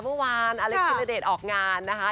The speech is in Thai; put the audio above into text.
เมื่อวานอเล็กซ์ฟิลเลอเดชออกงานนะคะ